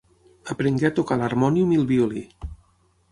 Aprengué a tocar l'harmònium i el violí.